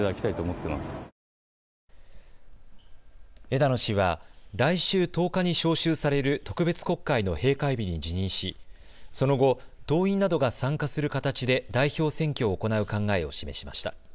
枝野氏は来週１０日に召集される特別国会の閉会日に辞任しその後、党員などが参加する形で代表選挙を行う考えを示しました。